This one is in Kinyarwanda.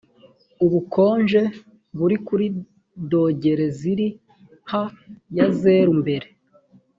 ubukonje buri kuri dogere ziri ha ya zeru mbere